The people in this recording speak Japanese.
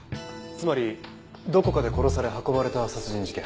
つまりどこかで殺され運ばれた殺人事件。